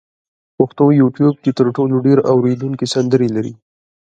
پښتو یوټیوب کې تر ټولو ډېر اورېدونکي سندرې لري.